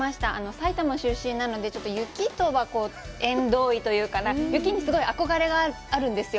埼玉出身なので、ちょっと雪とは縁遠いというか、雪にすごい憧れがあるんですよ。